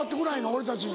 俺たちに。